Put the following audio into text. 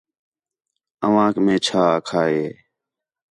اوانک مے چَھا آکھا ہِے